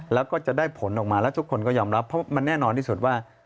แล้วก็จะได้ผลออกมาแล้วทุกคนก็ยอมรับเพราะมันแน่นอนที่สุดว่า